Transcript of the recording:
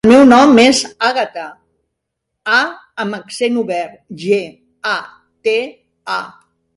El meu nom és Àgata: a amb accent obert, ge, a, te, a.